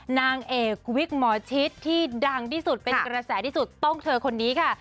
นางเอกวิกหมอชิดที่ดังที่สุดเป็นกระแสที่สุดต้องเธอคนนี้ค่ะ